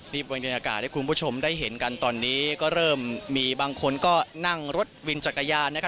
นี่บรรยากาศให้คุณผู้ชมได้เห็นกันตอนนี้ก็เริ่มมีบางคนก็นั่งรถวินจักรยาน